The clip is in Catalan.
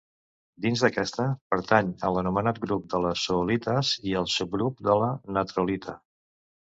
Dins d'aquesta, pertany a l'anomenat grup de les zeolites i al subgrup de la natrolita.